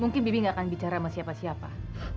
mungkin bibi nggak akan bicara sama siapa siapa